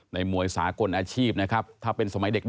มวยสากลอาชีพนะครับถ้าเป็นสมัยเด็ก